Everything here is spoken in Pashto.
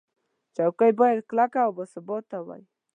چوکۍ باید کلکه او باثباته وي.